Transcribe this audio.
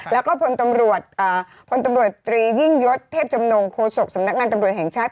แล้วก็พลตำรวจพลตำรวจตรียิ่งยศเทพจำนงโฆษกสำนักงานตำรวจแห่งชาติ